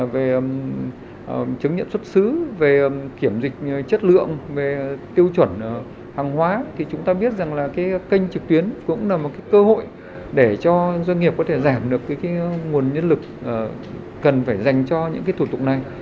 về chứng nhận xuất xứ về kiểm dịch chất lượng về tiêu chuẩn hàng hóa thì chúng ta biết rằng là cái kênh trực tuyến cũng là một cơ hội để cho doanh nghiệp có thể giảm được nguồn nhân lực cần phải dành cho những cái thủ tục này